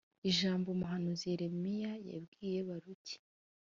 Ijambo umuhanuzi Yeremiya yabwiye Baruki